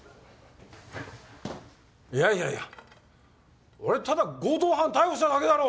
いやいやいや俺はただ強盗犯逮捕しただけだろ。